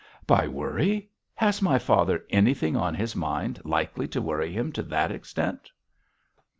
'By worry! Has my father anything on his mind likely to worry him to that extent?'